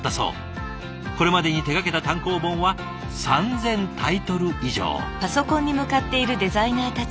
これまでに手がけた単行本は３，０００タイトル以上。